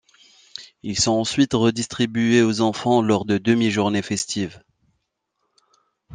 Ils sont ensuite redistribués aux enfants lors de demi-journées festives.